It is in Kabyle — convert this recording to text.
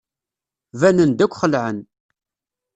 Banen-d akk xelɛen.